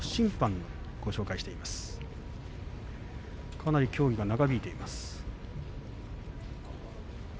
かなり協議が長引いています。